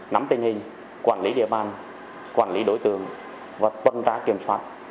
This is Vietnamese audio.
nắm tình hình quản lý địa phương quản lý đối tượng và tuân ra kiểm soát